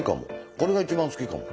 これが一番好きかも。